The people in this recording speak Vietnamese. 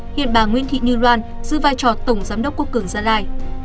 hiện bà nguyễn thị như loan giữ vai trò tổng giám đốc quốc cường gia lai